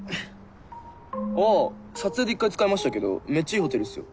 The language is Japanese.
ああ撮影で１回使いましたけどめっちゃいいホテルっすよ。